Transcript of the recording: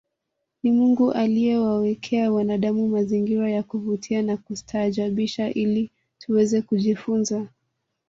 Ni Mungu aliyewawekea wanadamu mazingira ya kuvutia na kustaajabisha ili tuweze kujifunza